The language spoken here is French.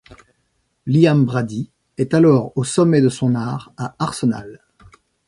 Liam Brady est alors au sommet de son art à Arsenal.